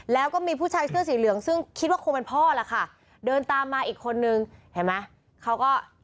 แล้วก็มีผู้ชายเสื้อสีเหลืองซึ่งคิดว่าคงเป็นพ่อล่ะค่ะเดินตามมาอีกคนนึงเห็นไหมเขาก็